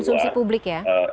konsumsi publik ya